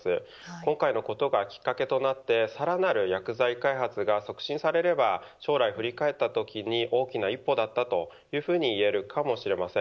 今回のことがきっかけとなってさらなる薬剤開発が促進されれば将来振り返ったときに大きな一歩だったというふうに言えるかもしれません。